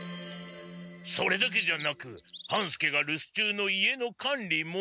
それだけじゃなく半助がるす中の家の管理も。